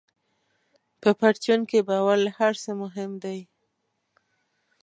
په پرچون کې باور له هر څه مهم دی.